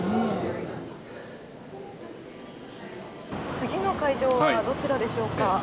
次の会場はどちらでしょうか。